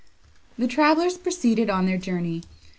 The travellers proceeded on their journey.